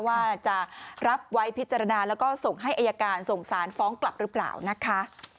ว่าจะรับไว้พิจารณาแล้วก็ส่งให้อายการส่งสารฟ้องกลับหรือเปล่านะคะ